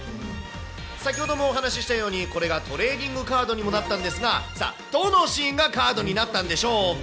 先ほどもお話したように、これがトレーディングカードにもなったんですが、さあ、どのシーンがカードになったんでしょうか？